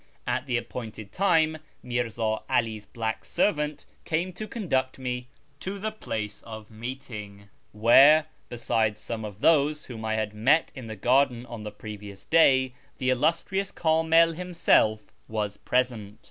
At tlie appointed time Mirz;i 'All's black servant came to conduct me to the place of meeting, where, besides some of those whom I had met in the garden on the previous day, the illustrious Kamil himself was present.